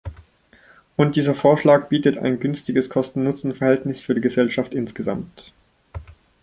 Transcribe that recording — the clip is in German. Und dieser Vorschlag bietet ein günstiges Kosten-Nutzen-Verhältnis für die Gesellschaft insgesamt.